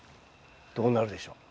どうなるでしょう？